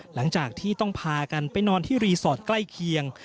หลังจากที่ต้องพากันไปนอนที่รีสอร์ทใกล้เคียง